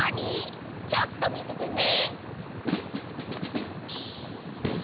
ちょっとみててね！